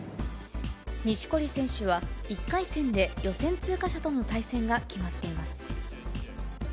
錦織選手は１回戦で予選通過者との対戦が決まっています。